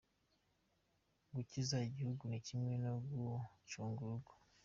Gukiza igihugu ni kimwe no gucunga urugo.